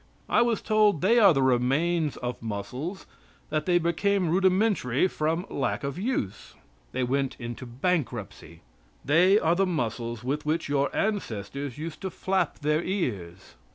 I was told: "They are the remains of muscles; that they became rudimentary from the lack of use." They went into bankruptcy. They are the muscles with which your ancestors used to flap their ears.